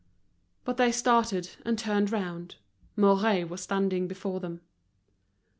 But they started, and turned round; Mouret was standing before them.